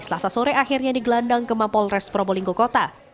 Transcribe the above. selasa sore akhirnya digelandang ke mapolres probolinggo kota